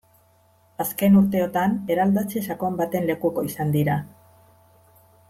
Azken urteotan eraldatze sakon baten lekuko izan dira.